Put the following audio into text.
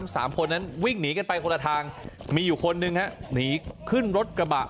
สามคนนั้นวิ่งหนีกันไปคนละทางมีอยู่คนหนึ่งฮะหนีขึ้นรถกระบะ